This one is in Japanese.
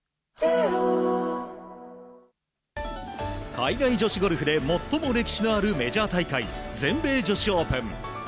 海外女子ゴルフで最も歴史のあるメジャー大会全米女子オープン。